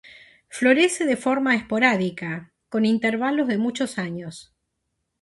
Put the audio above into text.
Florece de forma esporádica, con intervalos de muchos años.